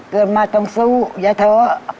เกิดมาต้องสู้อย่าท้อ